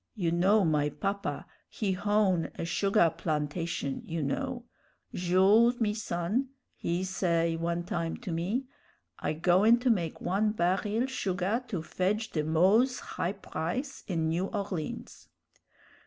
You know my papa he hown a sugah plantation, you know. 'Jules, me son,' he say one time to me, 'I goin' to make one baril sugah to fedge the moze high price in New Orleans.'